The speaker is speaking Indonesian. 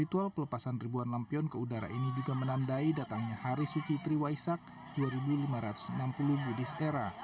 ritual pelepasan ribuan lampion ke udara ini juga menandai datangnya hari suci triwaisak dua ribu lima ratus enam puluh budi sera